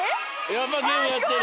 やっぱゲームやってる。